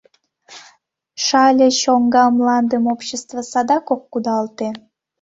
Шале чоҥга мландым общество садак ок кудалте.